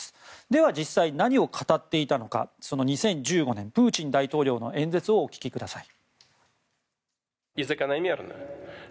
では実際、何を語っていたのか２０１５年プーチン大統領の演説をお聞きください。